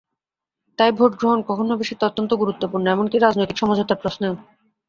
তাই ভোট গ্রহণ কখন হবে, সেটা অত্যন্ত গুরুত্বপূর্ণ, এমনকি রাজনৈতিক সমঝোতার প্রশ্নেও।